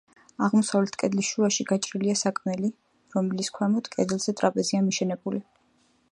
აღმოსავლეთ კედლის შუაში გაჭრილია სარკმელი, რომლის ქვემოთ, კედელზე, ტრაპეზია მიშენებული.